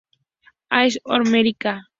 Ars homoerótica.